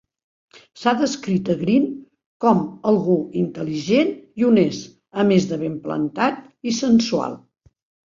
S'ha descrit Greene com algú intel·ligent i honest, a més de ben plantat i sensual.